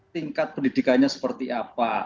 tingkat pendidikannya seperti apa